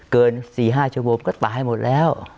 เกิน๔๕ชั่วโมงก็ตายหมดแล้ว